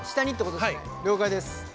了解です。